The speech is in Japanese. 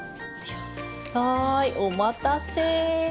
はいお待たせ。